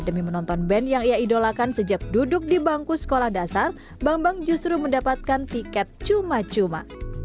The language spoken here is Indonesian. demi menonton band yang ia idolakan sejak duduk di bangku sekolah dasar bambang justru mendapatkan tiket cuma cuma